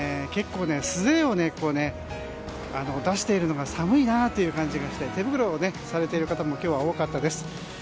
結構、素手を出しているのが寒いなという感じがして手袋をされている方も今日は多かったです。